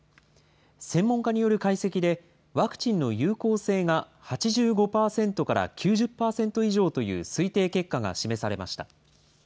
専門家による解析で、ワクチンの有効性が８５％から９０％以上という推定結果が示されました。